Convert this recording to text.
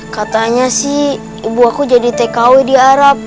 katanya sih ibu aku jadi tkw di arab